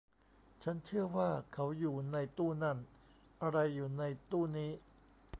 ฉันเชื่อว่าเขาอยู่ในตู้นั่น อะไรอยู่ในตู้นี้